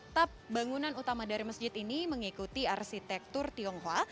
tap bangunan utama dari masjid ini mengikuti arsitektur tionghoa